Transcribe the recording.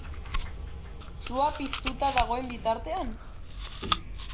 Sua piztuta dagoen bitartean?